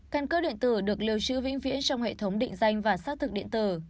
căn cước điện tử được lưu trữ vĩnh viễn trong hệ thống định danh và xác thực điện tử